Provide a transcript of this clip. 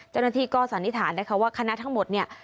เจ้าหน้าที่ก็สันนิษฐานนะคะว่าคณะทั้งหมดเนี่ย